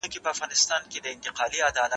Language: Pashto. ځوانان د بشري حقونو د راتلونکي مشران دي.